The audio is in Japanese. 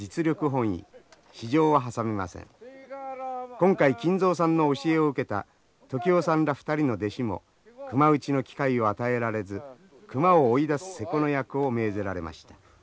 今回金蔵さんの教えを受けた時男さんら２人の弟子も熊撃ちの機会を与えられず熊を追い出す勢子の役を命ぜられました。